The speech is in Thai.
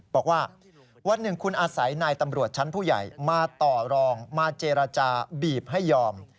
บอกว่าวันหนึ่งคุณอาศัยนายตำรวจชั้นผู้ใหญ่มาต่อรองมาเจรจาบีบให้ยอม